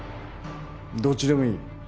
どっちでもいい。